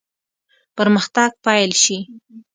پرمختګ پیل شي.